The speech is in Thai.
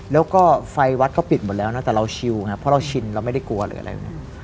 แล้วก็ไฟวัดก็ปิดหมดแล้วนะแต่เราชิวครับเพราะเราชินเราไม่ได้กลัวหรืออะไร